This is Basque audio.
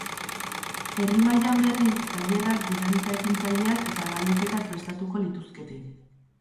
Herri-mailan, berriz, tailerrak, dinamika ekintzaileak eta galdeketak prestatuko lituzkete.